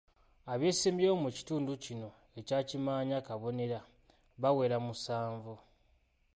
Abeesimbyewo mu kitundu kino ekya Kimaanya- Kabonera, bawera musanvu.